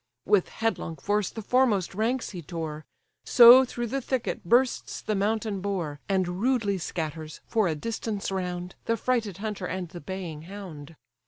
With headlong force the foremost ranks he tore; So through the thicket bursts the mountain boar, And rudely scatters, for a distance round, The frighted hunter and the baying hound.